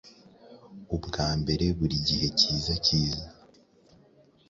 ubwambere burigihe cyiza cyiza